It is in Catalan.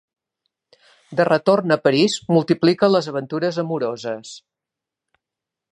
De retorn a París, multiplica les aventures amoroses.